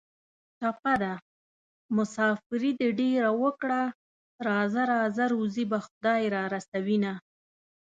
ټپه ده: مسافري دې ډېره وکړه راځه راځه روزي به خدای را رسوینه